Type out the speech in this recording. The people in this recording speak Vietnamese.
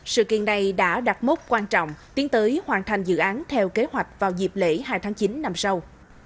sự kiện này đã đặt mốc quan trọng tiến tới hoàn thành dự án theo kế hoạch vào dịp lễ hai tháng chín năm sau